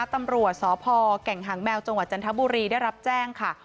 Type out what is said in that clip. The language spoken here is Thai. ตำรวจสพแก่งหางแมวจังหวัดจันทบุรีได้รับแจ้งค่ะ